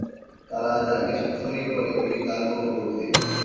তারা যাকে শরীক করে তিনি তার বহু ঊর্ধ্বে।